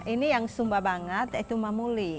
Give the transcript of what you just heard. ini yang sumba banget itu mamuli